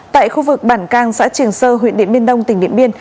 tại khu vực bản cang xã trường sơ huyện điện biên đông tỉnh điện biên